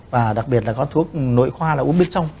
và đặc biệt là có thuốc nội khoa là uống bid trong